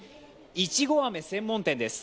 いちご飴専門店です。